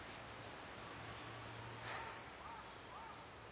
はあ。